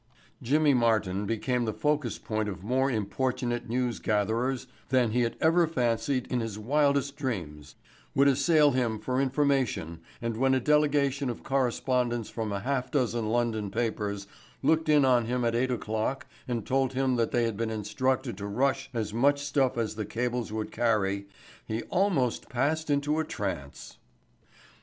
Jimmy Martin became the focus point of more importunate newsgatherers than he had ever fancied, in his wildest dreams, would assail him for information and when a delegation of correspondents from a half dozen London papers looked in on him at eight o'clock and told him that they had been instructed to rush as much stuff as the cables would carry he almost passed into a trance.